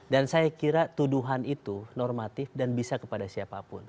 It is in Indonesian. dan saya kira tuduhan itu normatif dan bisa kepada siapapun